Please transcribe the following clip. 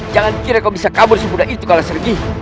jangan kira kau bisa kabur sebudah itu kalas sergi